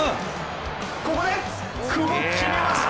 ここで、久保、決めました！